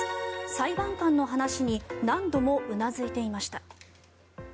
裁判官の話に何度もうなずいていました。